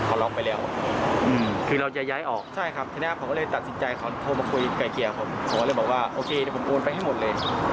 เขาก็เลยบอกว่าโอเคเดี๋ยวผมโอนไฟให้หมดเลย